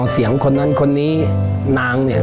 เสียงคนนั้นคนนี้นางเนี่ย